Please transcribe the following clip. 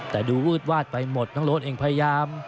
แต่ดูวืดวาดไปหมดน้องโรดเองพยายาม